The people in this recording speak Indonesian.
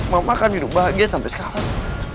mama akan hidup bahagia sampai sekarang